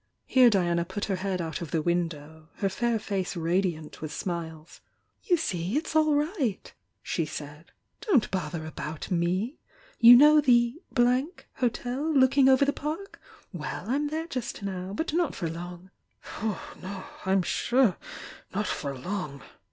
Here Diana put her head out of the window, — her fair face radiant with smiles. "You see, it's all right!" she said— "Don't bother about me! You know the Hotel looking over the Park? Well, I'm there just now, but not for "No, I'm sure not for long!"